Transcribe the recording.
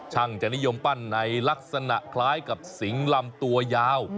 จะนิยมปั้นในลักษณะคล้ายกับสิงลำตัวยาว